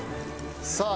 さあ